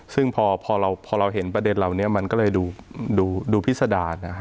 ซึ่งพอเราเห็นประเด็นเหล่านี้มันก็เลยดูพิษดารนะฮะ